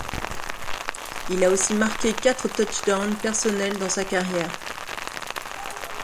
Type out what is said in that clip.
Il a aussi marqué quatre touchdowns personnels dans sa carrière.